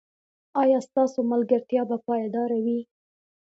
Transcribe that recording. ایا ستاسو ملګرتیا به پایداره وي؟